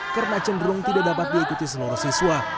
karena cenderung tidak dapat diikuti seluruh siswa